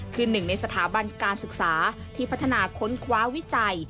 คือหนึ่งในสถาบันการศึกษาที่พัฒนาค้นคว้าวิจัย